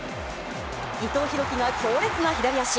伊藤洋輝が強烈な左足！